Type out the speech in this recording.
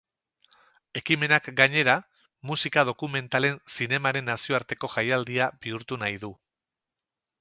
Ekimenak, gainera, musika dokumentalen zinemaren nazioarteko jaialdia bihurtu nahi du.